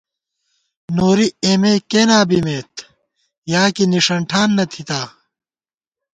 نوری اِمےکېنا بِمېت، یا کی نِݭن ٹھان نہ تھِتا